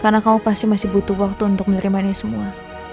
karena kamu pasti masih butuh waktu untuk menerima ini semua